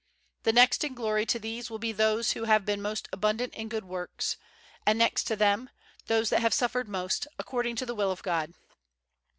The next in glory to these will be those who have been most abundant in good works; and next to them, those that have suffered most, ac cording to the will of God.